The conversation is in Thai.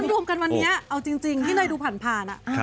รวมกันวันนี้เอาจริงที่เนยดูผ่าน